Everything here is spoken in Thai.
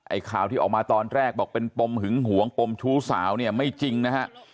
ข่าวที่ออกมาตอนแรกบอกเป็นปมหึงหวงปมชู้สาวเนี่ยไม่จริงนะฮะ